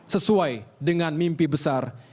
sesuai dengan mimpi besar